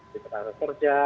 di perangkat kerja